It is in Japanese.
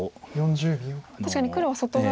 確かに黒は外側に。